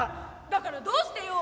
「だからどうしてよ？」。